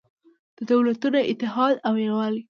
د دولتونو اتحاد او یووالی